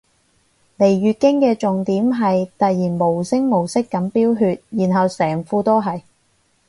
嚟月經嘅重點係突然無聲無息噉飆血然後成褲都係